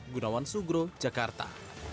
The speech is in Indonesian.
gunawan sugro jakarta